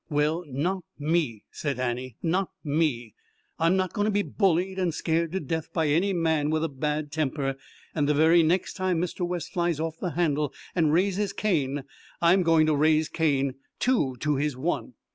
"Well, not me!" said Annie. "Not me! I'm not going to be bullied and scared to death by any man with a bad temper, and the very next time Mister Wes flies off the handle and raises Cain I'm going to raise Cain, two to his one.